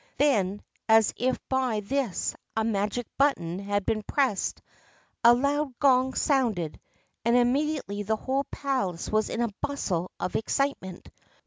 Then, as if by this a magic button had been pressed, a loud gong sounded, and immediately the whole palace was in a bustle of excitement.